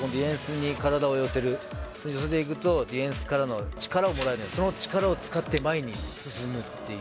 ここで寄せていくと、ディフェンスからの力をもらえるんで、その力を使って、前に進むっていう。